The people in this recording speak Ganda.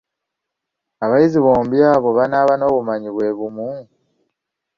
Abayizi bombi abo banaaba n’obumanyi bwe bumu?